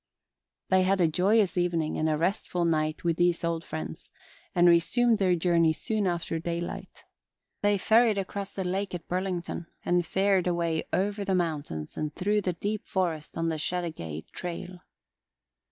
They had a joyous evening and a restful night with these old friends and resumed their journey soon after daylight. They ferried across the lake at Burlington and fared away over the mountains and through the deep forest on the Chateaugay trail.